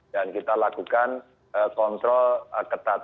dan kita lakukan kontrol ketat